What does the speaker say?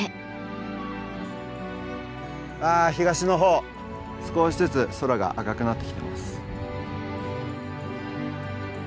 わあ東の方少しずつ空が赤くなってきてます。